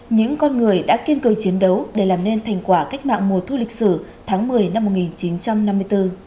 những con người đã kiên cường chiến đấu để làm nên thành quả cách mạng mùa thu lịch sử tháng một mươi năm một nghìn chín trăm năm mươi bốn